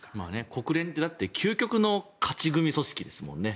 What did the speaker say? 国連って究極の勝ち組組織ですもんね。